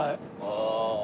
ああ。